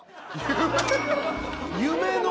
夢の。